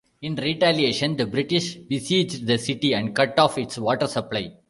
In retaliation the British besieged the city and cut off its water supply.